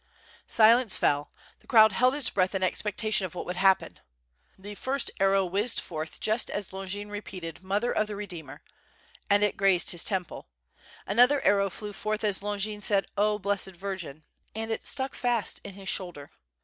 Silence fell, the crowd held its breath in expectation of what would happen. The first arrow whizzed forth just as Longin repeated "Mother of the Redeemer," and it grazed his temple, another arrow flew forth as Longin said "0 Blessed Virgin,'' and it stuck fast in his shoulder.